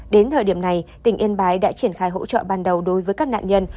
đến thời điểm này tỉnh yên bái đã triển khai hỗ trợ ban đầu đối với các nạn nhân